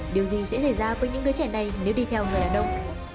điều gì sẽ xảy ra với những đứa trẻ này nếu đi theo người đàn ông